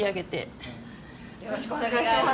よろしくお願いします。